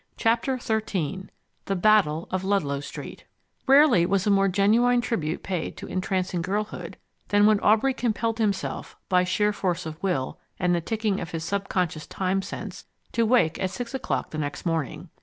Chapter XIII The Battle of Ludlow Street Rarely was a more genuine tribute paid to entrancing girlhood than when Aubrey compelled himself, by sheer force of will and the ticking of his subconscious time sense, to wake at six o'clock the next morning.